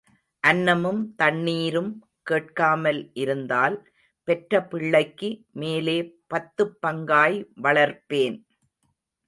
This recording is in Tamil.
அன்னமும் தண்ணீரும் கேட்காமல் இருந்தால் பெற்ற பிள்ளைக்கு மேலே பத்துப் பங்காய் வளர்ப்பேன்.